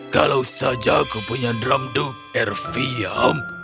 kalau saja aku punya dram duk erfiam